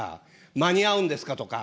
間に合うんですかとか。